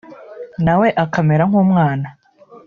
nawe akamera nk’umwana